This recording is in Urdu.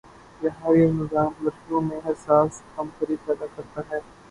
جہاں یہ نظام لڑکیوں میں احساسِ کمتری پیدا کرتا ہے